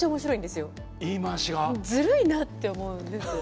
ずるいなって思うんですよ。